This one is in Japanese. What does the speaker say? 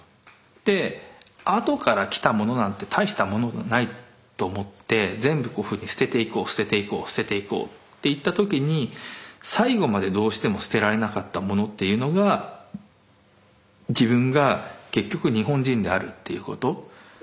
で後から来たものなんて大したものないと思って全部捨てていこう捨てていこう捨てていこうっていった時に最後までどうしても捨てられなかったものっていうのが自分が結局日本人であるっていうこと。